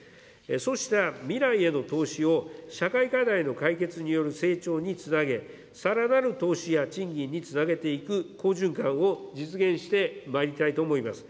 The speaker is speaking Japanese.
そうした未来への投資を、社会課題の解決による成長につなげ、さらなる投資や賃金につなげていく好循環を実現してまいりたいと思います。